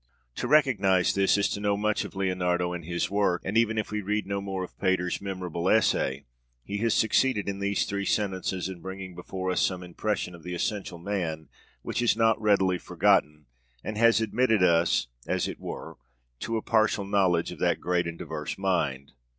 To recognize this is to know much of Leonardo and his work; and even if we read no more of Pater's memorable essay, he has succeeded in these three sentences in bringing before us some impression of the essential man which is not readily forgotten, and has admitted us as it were to a partial knowledge of that great and diverse mind.